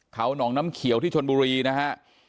เขาหนองน้ำเขียวที่ชนบุรีนะฮะ